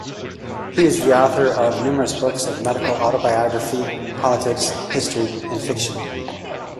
He was the author of numerous books of medical autobiography, politics, history, and fiction.